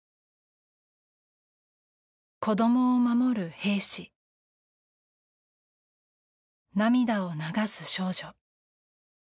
子供を守る兵士、涙を流す少女。